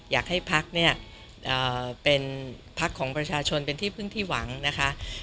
อยากให้พักเนี่ยเป็นพักของประชาชนเป็นที่พึ่งที่หวังนะคะ